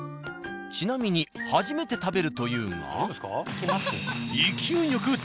ちなみに初めて食べるというが。